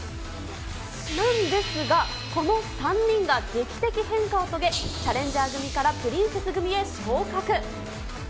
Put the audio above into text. なんですが、この３人が劇的変化を遂げ、チャレンジャー組からプリンセス組へ昇格。